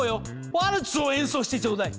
ワルツを演奏してちょうだい。